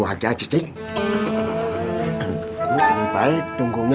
waalaikumsalam udah dateng belum